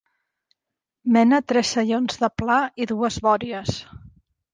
Mena tres saions de pla i dues bòries.